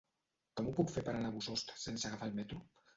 Com ho puc fer per anar a Bossòst sense agafar el metro?